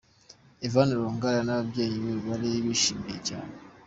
Eva Longoria n'ababyeyi be bari bishimye cyane.